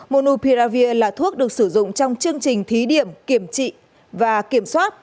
monupiravir là thuốc được sử dụng trong chương trình thí điểm kiểm trị và kiểm soát